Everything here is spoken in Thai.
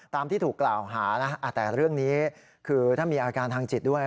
ที่ถูกกล่าวหานะแต่เรื่องนี้คือถ้ามีอาการทางจิตด้วย